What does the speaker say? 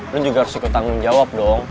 gue harus jawab lah